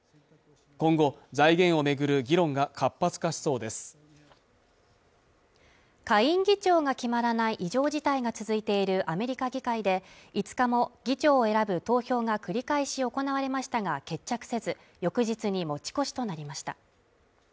今後財源を巡る議論が活発化しそうです下院議長が決まらない異常事態が続いているアメリカ議会で５日も議長を選ぶ投票が繰り返し行われましたが決着せず翌日に持ち越しとなりました